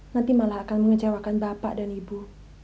nanti malah akan mengecewakan bapak dan ibu